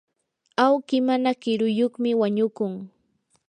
awki mana kiruyuqmi wañukun.